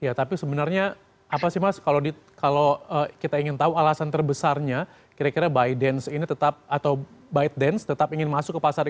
ya tapi sebenarnya apa sih mas kalau kita ingin tahu alasan terbesarnya kira kira bidence ini tetap atau bidence tetap ingin masuk ke pasar